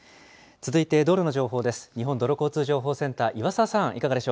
続いて道路の情報です。